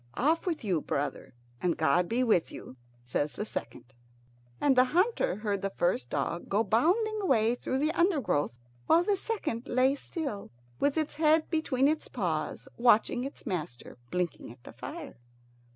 "Off with you, brother, and God be with you," says the second. And the hunter heard the first dog go bounding away through the undergrowth, while the second lay still, with its head between its paws, watching its master blinking at the fire.